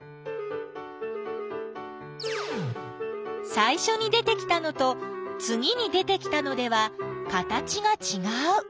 さいしょに出てきたのとつぎに出てきたのでは形がちがう。